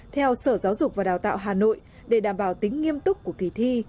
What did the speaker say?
theo sở giáo dục và đào tạo hà nội để đảm bảo tính nghiêm túc của kỳ thi